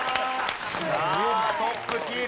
さあトップキープ。